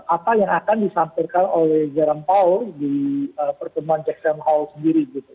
apa yang akan disampaikan oleh jerome powell di pertumbuhan jackson hole sendiri gitu